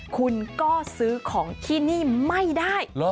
คุณก็ซื้อของที่นี่ไม่ได้